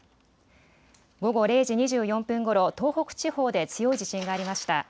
午後０時２４分ごろ、東北地方で強い地震がありました。